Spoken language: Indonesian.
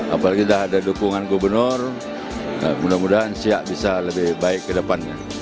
apalagi sudah ada dukungan gubernur mudah mudahan siak bisa lebih baik ke depannya